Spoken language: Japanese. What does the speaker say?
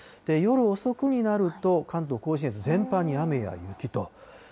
夜遅くになると、関東甲信越全般に雨や雪と。